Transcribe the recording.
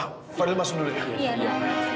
suara selalu begitu sulung maksudnya